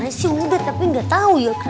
kayaknya sih udah tapi gak tau ya